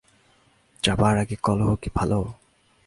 যাবার আগে কলহ কি ভালো?